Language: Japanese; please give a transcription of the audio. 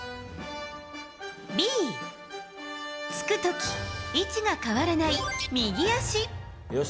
Ｂ、突く時位置が変わらない右足。